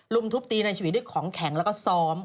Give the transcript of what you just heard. รุมทุบตีในชีวิตด้วยของแข็งแล้วก็ซ้อม